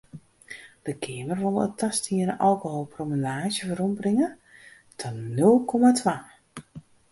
De Keamer wol it tastiene alkoholpromillaazje werombringe ta nul komma twa.